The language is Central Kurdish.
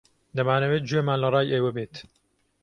دەمانەوێت گوێمان لە ڕای ئێوە بێت.